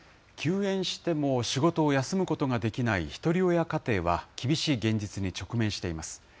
休園しても仕事を休むことができないひとり親家庭は、厳しい現実に直面しています。